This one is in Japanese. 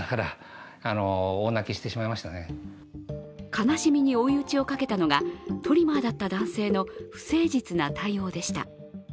悲しみに追い打ちをかけたのがトリマーだった男性の不誠実な対応でした。